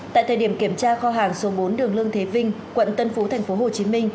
tại thời điểm kiểm tra kho hàng số bốn đường lương thế vinh quận tân phú tp hcm